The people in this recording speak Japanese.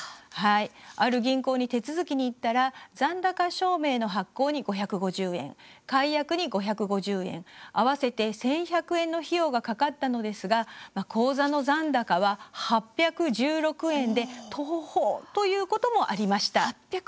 ある銀行に手続きに行ったら残高証明の発行に５５０円解約に５５０円合わせて１１００円の費用がかかったのですが口座の残高は８１６円でとほほ、ということもありました。